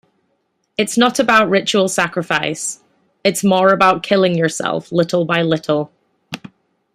It's not about ritual sacrifice...it's more about killing yourself, little by little.